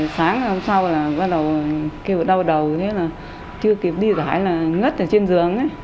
sáng hôm sau là bắt đầu kêu đau đầu thế là chưa kịp đi giải là ngất ở trên giường ấy